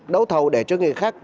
đấu thầu để cho người khác